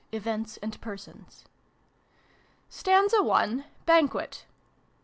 Events, and Persons. Stanza i. Banquet. 2.